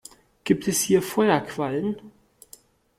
Gibt es hier Feuerquallen?